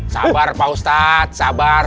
sabar pak ustadz sabar